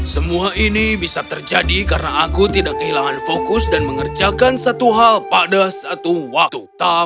semua ini bisa terjadi karena aku tidak kehilangan fokus dan mengerjakan satu hal pada satu waktu